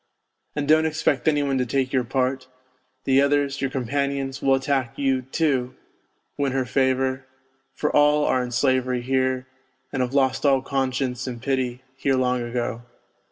And don't expect any one to take your part : the others, your companions, will attack you, too, to win her favour, for all 130 NOTES FROM UNDERGROUND are in slavery here, and have lost all conscience and pity here long ago.